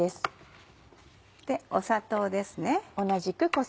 砂糖ですね。